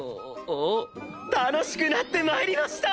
楽しくなって参りました！